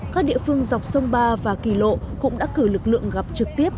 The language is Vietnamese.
các địa phương dọc sông ba và kỳ lộ cũng đã cử lực lượng gặp trực tiếp